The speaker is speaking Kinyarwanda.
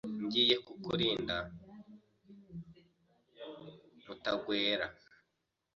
Ngiye kukurinda, Mutagwera.